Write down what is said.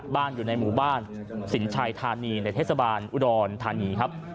อยู่ในหมู่บ้านสินชัยธานีในเทศบาลอุดรธานีครับ